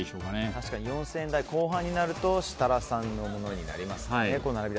確かに４０００円台後半になると設楽さんになりますね。